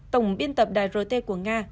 tổng biên tập đài rt của nga